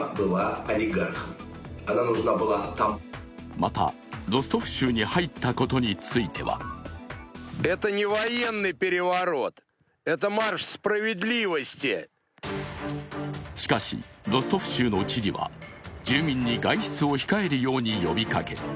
また、ロストフ州に入ったことについてはしかし、ロストフ州の知事は住民に外出を控えるように呼びかけ